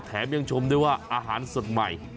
แถมยังชมด้วยว่าอาหารสดใหม่